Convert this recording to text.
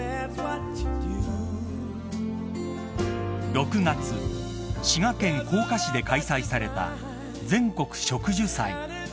［６月滋賀県甲賀市で開催された全国植樹祭］